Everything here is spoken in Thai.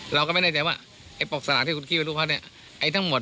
เราก็ไม่แน่ใจว่าไอ้ปอกสลากที่คุณกี้เป็นลูกเขาเนี่ยไอ้ทั้งหมด